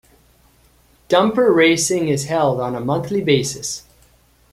Dumper racing is held on a monthly basis.